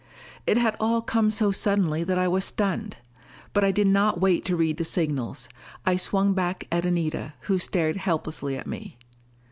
It had all come so suddenly that I was stunned. But I did not wait to read the signals. I swung back at Anita, who stared helplessly at me.